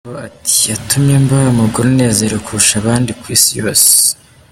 Amber ati:"Yatumye mba umugore unezerewe kurusha abandi ku isi yose"!.